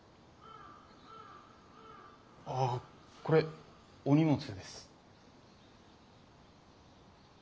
ああこれお荷物です。